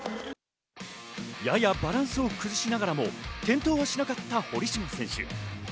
ややバランスを崩しながらも、転倒しなかった堀島選手。